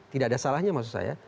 tidak ada salahnya maksud saya